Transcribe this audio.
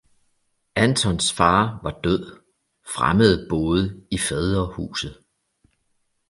Anthons fader var død, fremmede boede i fædrehuset